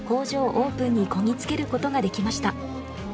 オープンにこぎ着けることができました。